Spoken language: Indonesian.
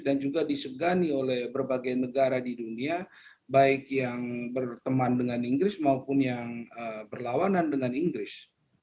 dan juga disegani oleh berbagai negara di dunia baik yang berteman dengan inggris maupun yang berlawanan dengan inggris